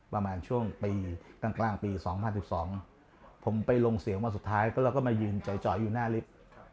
ประมาณช่วงปีกลางปี๒๐๑๒ผมไปลงเสียงวันสุดท้ายก็เราก็มายืนจ่อยอยู่หน้าลิฟต์